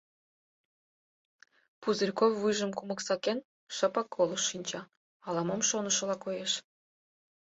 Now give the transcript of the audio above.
Пузырьков, вуйжым кумык сакен, шыпак колышт шинча, ала-мом шонышыла коеш.